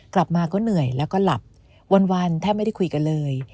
กลับมาก็เหนื่อยแล้วก็หลับวันแทบไม่ได้คุยกันเลย